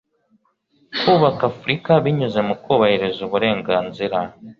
kubaka Afurika binyuze mu kubahiriza uburenganzira .